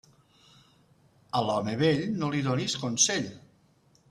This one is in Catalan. A l'home vell no li donis consell.